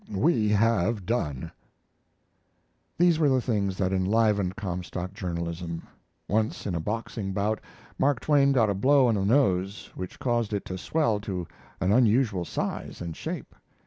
We have done. These were the things that enlivened Comstock journalism. Once in a boxing bout Mark Twain got a blow on the nose which caused it to swell to an unusual size and shape.